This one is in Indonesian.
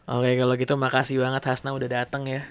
oke kalau gitu makasih banget hasna udah dateng ya